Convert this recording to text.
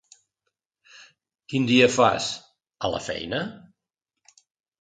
Quin dia fas, a la feina?